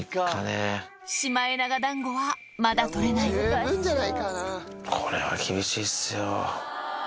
シマエナガだんごは、まだ撮れなこれは厳しいっすよ。